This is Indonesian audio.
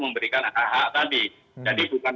memberikan hak hak tadi jadi bukan